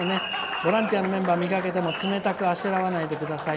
ボランティアの方を見かけても冷たくあしらわないでください」。